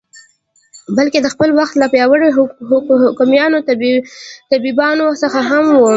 بلکې د خپل وخت له پیاوړو حکیمانو او طبیبانو څخه هم و.